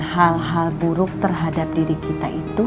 hal hal buruk terhadap diri kita itu